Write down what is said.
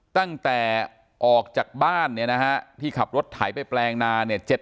ตั้งแต่ออกจากบ้านเนี่ยนะฮะที่ขับรถไถไปแปลงนาเนี่ย